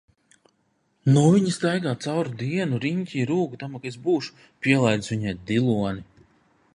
Nu viņa staigā cauru dienu riņķī rūkdama, ka es būšu pielaidis viņai diloni.